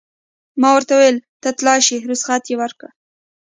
ما ورته وویل: ته تلای شې، رخصت یې ورکړ.